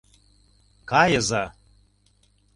— Кайыза...